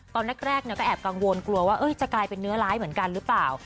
ตอนแรกก็แอบกังวลกลัวว่าจะกลายเป็นเนื้อร้ายเหมือนกันหรือเปล่า